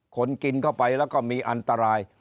คนกินเข้าไปแล้วก็มีอันตราย